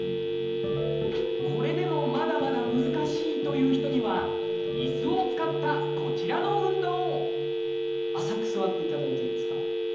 これでもまだまだ難しいという人には椅子を使ったこちらの運動浅く座っていただいていいですか。